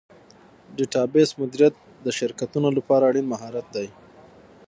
ډیټابیس مدیریت د شرکتونو لپاره اړین مهارت دی.